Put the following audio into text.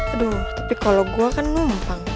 aduh tapi kalau gue kan numpang